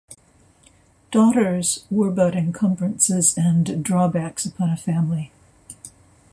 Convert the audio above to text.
Daughters were but encumbrances and drawbacks upon a family.